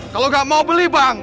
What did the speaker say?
kalau gak mau beli bang